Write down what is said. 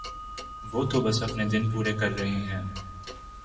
وہ تو بس اپنے دن پورے کر رہا ہے